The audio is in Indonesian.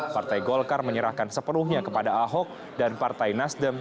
partai golkar menyerahkan sepenuhnya kepada ahok dan partai nasdem